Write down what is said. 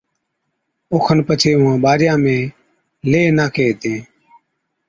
او کن پڇي اُونهان ٻارِيان ۾ ليه ناکي هِتين،